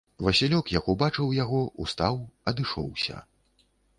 Васілёк, як убачыў яго, устаў, адышоўся.